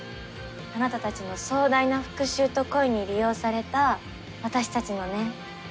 あなたたちの壮大な復讐と恋に利用された私たちのね。